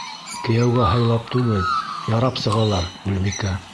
Кейәүгә һайлап түгел, ярап сығалар, Гөлбикә.